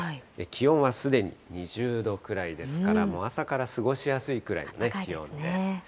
気温はすでに２０度くらいですから、もう朝から過ごしやすいくらいの気温です。